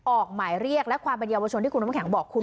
ออกหมายเรียกและความเป็นเยาวชนที่คุณน้ำแข็งบอกคุณ